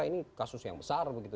ini kasus yang besar begitu